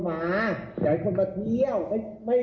มีกษัตริย์๕๑๕๐บาท